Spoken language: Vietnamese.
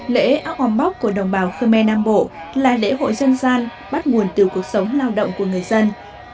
lễ ốc om bóc của đồng bào khơ me nam bộ là lễ hội dân gian bắt nguồn từ cuộc sống lao động của người dân